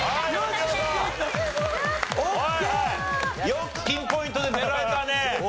よくピンポイントで狙えたね。